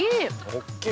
大きい。